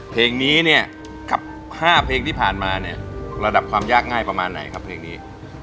เพลงนี้เนี่ยกับ๕เพลงที่ผ่านมาเนี่ยระดับความยากง่ายประมาณไหนครับเพลงนี้